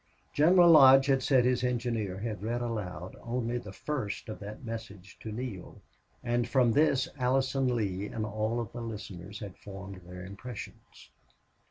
General Lodge had said his engineer had read aloud only the first of that message to Neale; and from this Allison Lee and all the listeners had formed their impressions.